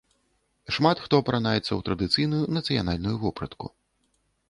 Шмат хто апранаецца ў традыцыйную нацыянальную вопратку.